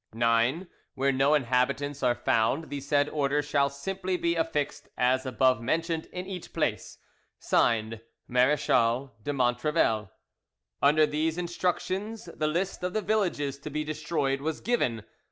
"IX. Where no inhabitants are found, the said order shall simply be affixed as above mentioned in each place. "(Signed) "MARECHAL DE MONTREVEL" Under these instructions the list of the villages to be destroyed was given.